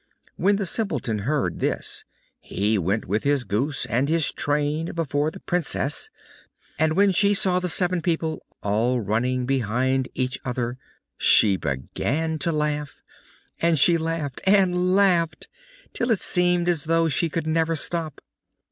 When the Simpleton heard this he went with his goose and his train before the Princess, and when she saw the seven people all running behind each other, she began to laugh, and she laughed and laughed till it seemed as though she could never stop.